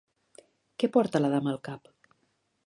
Què porta la dama al cap?